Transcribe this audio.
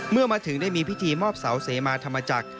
เมื่อมาถึงได้มีพิธีมอบเสาเสมาธรรมจักร